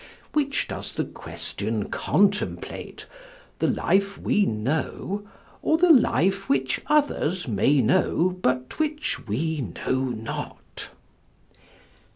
Which does the question contemplate the life we know, or the life which others may know, but which we know not?